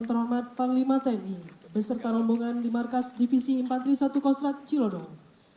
terhormat panglima tni beserta rombongan di markas divisi empat puluh satu kostrat cilodong